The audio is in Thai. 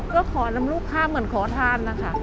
ก็ขอนำลูกค้าเหมือนขอทานนะคะ